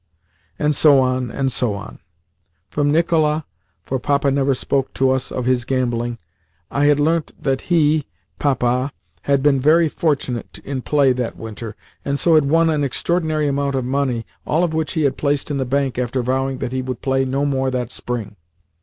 and so on, and so on. From Nicola (for Papa never spoke to us of his gambling) I had learnt that he (Papa) had been very fortunate in play that winter, and so had won an extraordinary amount of money, all of which he had placed in the bank after vowing that he would play no more that spring.